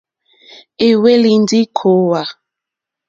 É hwélì ndí kòòhvà.